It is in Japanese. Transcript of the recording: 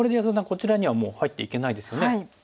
こちらにはもう入っていけないですよね。